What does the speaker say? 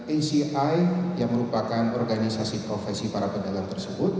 aci yang merupakan organisasi profesi para pedagang tersebut